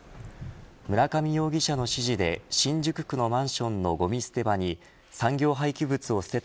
村上容疑者の指示で新宿区のマンションのごみ捨て場に産業廃棄物を捨てた